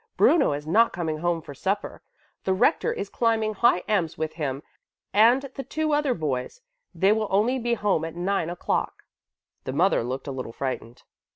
Bruno is not coming home for supper. The Rector is climbing High Ems with him and the two other boys. They will only be home at nine o'clock." The mother looked a little frightened.